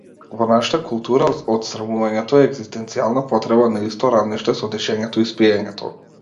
Во нашата култура, отсрамувањето е егзистенцијална потреба на исто рамниште со дишењето и спиењето.